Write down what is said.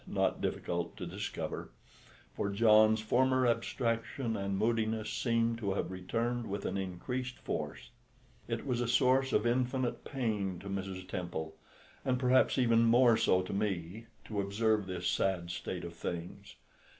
not difficult to discover, for John's former abstraction and moodiness seemed to have returned with an increased force. It was a source of infinite pain to Mrs. Temple, and perhaps even more so to me, to observe this sad state of things.